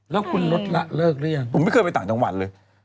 แล้วคุณลดละเลิกหรือยังผมไม่เคยไปต่างจังหวัดเลย